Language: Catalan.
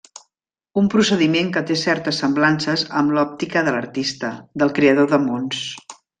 Un procediment que té certes semblances amb l'òptica de l'artista, del creador de mons.